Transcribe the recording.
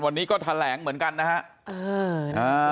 วันนี้ก็แถลงเหมือนกันนะฮะ